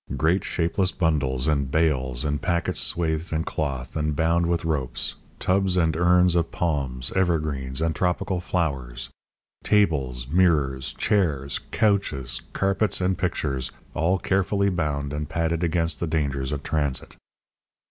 Great shapeless bundles and bales and packets swathed in cloth and bound with ropes; tubs and urns of palms, evergreens, and tropical flowers; tables, mirrors, chairs, couches, carpets, and pictures all carefully bound and padded against the dangers of transit.